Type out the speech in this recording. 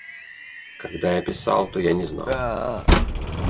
– Когда я писал, то я не знал.